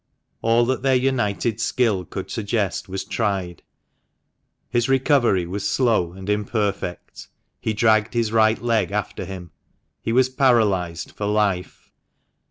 All that their united skill could suggest was tried. His recovery was slow and imperfect ; he dragged his right leg after him ; he was paralysed for life.